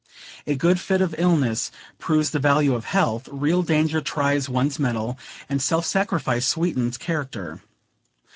A good fit of illness proves the value of health; real danger tries one's mettle; and self sacrifice sweetens character.